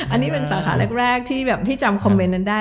อันนี้เป็นสาขาแรกที่แบบที่จำคอมเมนต์นั้นได้